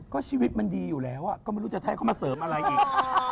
ก็ชีวิตมันดีอยู่แล้วก็ไม่รู้จะให้เขามาเสริมอะไรอีก